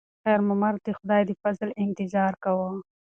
خیر محمد د خدای د فضل انتظار کاوه.